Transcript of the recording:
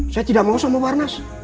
saya tidak mau sama barnas